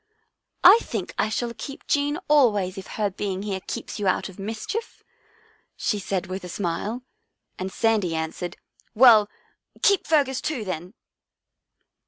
" I think I shall keep Jean always if her being here keeps you out of mischief," she said with a smile, and Sandy answered, " Well, keep Fergus too, then."